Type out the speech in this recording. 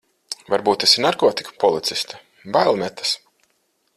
Varbūt esi narkotiku policiste, bail metas.